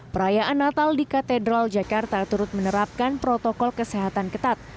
perayaan natal di katedral jakarta turut menerapkan protokol kesehatan ketat